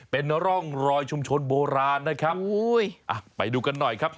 เป็นร่องรอยชุมชนโบราณนะครับโอ้ยอ่ะไปดูกันหน่อยครับ